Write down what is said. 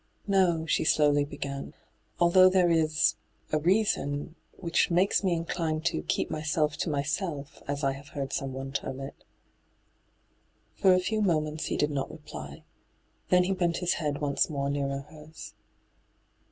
' No,' she slowly began. ' Although there is — a reason — which makes me inclined to "keep myself to myseli^" as I have heard someone term it.' For a few moments he did not reply. Then he bent his head once more nearer hers.